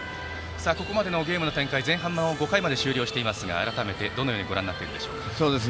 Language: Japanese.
ここまでのゲームの展開前半の５回まで終了していますが改めてどのようにご覧になっていますか。